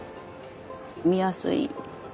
見やすい。